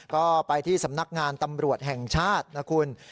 ก็ไปที่สำนักงานตำรวจแห่งชาตินะคุณ